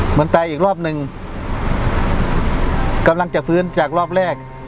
ตายอีกรอบนึงกำลังจะฟื้นจากรอบแรก